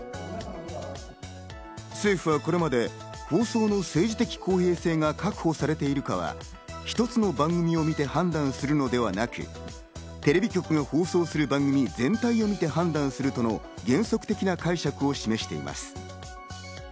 政府はこれまで放送の政治的公平性が確保されてるかは一つの番組を見て判断するのではなく、テレビ局が放送する番組全体を見て判断するとの原則的な解釈を示しています。